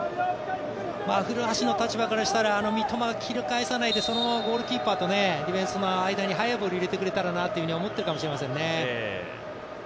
古橋の立場からすると三笘は切り返さないでそのままゴールキーパーとディフェンスの間に速いボールを入れてくれたらなとは思ってたと思いますね。